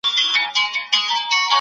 دا شورا به د حکومت پر کارونو څارنه وکړي.